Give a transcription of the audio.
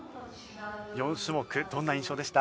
４種目どんな印象でした？